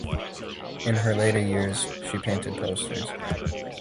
In her later years, she painted posters.